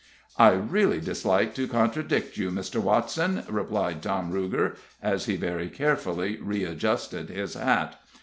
"I really dislike to contradict you, Mr. Watson," remarked Tom Ruger, as he very carefully readjusted his hat.